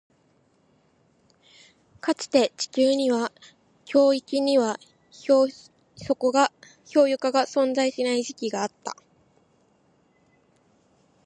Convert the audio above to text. かつて、地球には極域に氷床が存在しない時期があった。